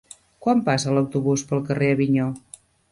Quan passa l'autobús pel carrer Avinyó?